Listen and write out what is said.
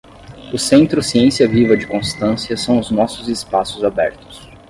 o Centro Ciência Viva de Constância são os nossos espaços abertos.